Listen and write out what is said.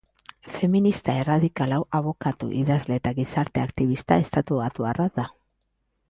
Feminista erradikal hau abokatu, idazle eta gizarte aktibista estatubatuarra da.